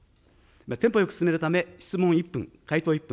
テンポよく進めるため、質問１分、回答１分。